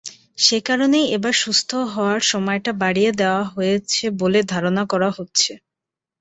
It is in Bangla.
সেকারণেই এবার সুস্থ হওয়ার সময়টা বাড়িয়ে দেওয়া হয়েছে বলে ধারণা করা হচ্ছে।